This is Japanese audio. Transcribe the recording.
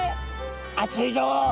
「熱いよ。